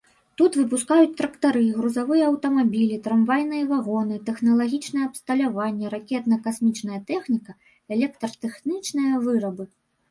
Тут выпускаюць трактары, грузавыя аўтамабілі, трамвайныя вагоны, тэхналагічнае абсталяванне, ракетна-касмічная тэхніка, электратэхнічныя вырабы.